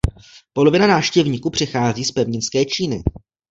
Polovina návštěvníků přichází z pevninské Číny.